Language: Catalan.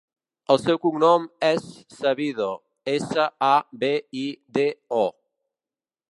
El seu cognom és Sabido: essa, a, be, i, de, o.